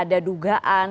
kemudian ada penyelesaian